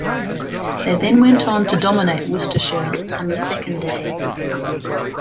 They then went on to dominate Worcestershire on the second day.